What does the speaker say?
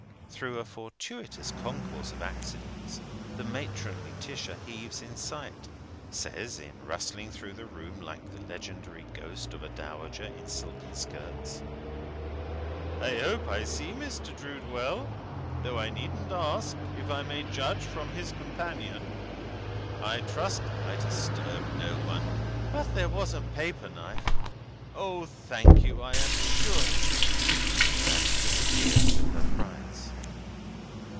Through a fortuitous concourse of accidents, the matronly Tisher heaves in sight, says, in rustling through the room like the legendary ghost of a dowager in silken skirts: "I hope I see Mr. Drood well; though I needn't ask, if I may judge from his complexion. I trust I disturb no one; but there was a paper knife—O, thank you, I am sure!" and disappears with her prize.